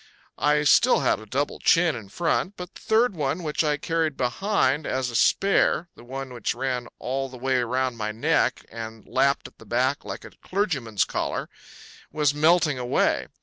I still had a double chin in front, but the third one, which I carried behind as a spare the one which ran all the way round my neck and lapped at the back like a clergyman's collar was melting away.